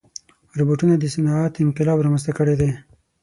روبوټونه د صنعت انقلاب رامنځته کړی دی.